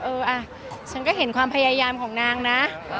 เอออ่ะฉันก็เห็นความพยายามของนางนะ